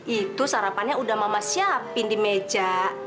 itu sarapannya udah mama siapin di meja